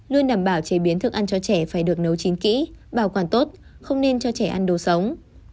luôn đảm bảo chế biến thức ăn cho trẻ phải được nấu chín kỹ bảo quản tốt không nên cho trẻ ăn đồ sống